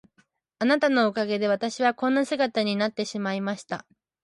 あなたのおかげで私はこんな姿になってしまいました。